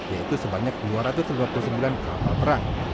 yaitu sebanyak dua ratus dua puluh sembilan kapal perang